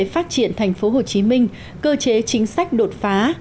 phát triển tp hcm cơ chế chính sách đột phá